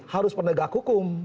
harus penegak hukum